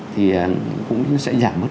thì cũng sẽ giảm mất